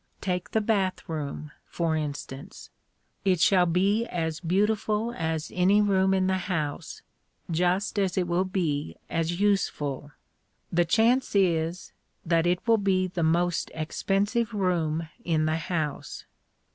Take the bath room, for instance. It shall be as beautiful as any room in the house, just as it will be as useful. The chance is, that it will be the most expensive room in the house.